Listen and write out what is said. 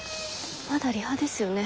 まだリハですよね？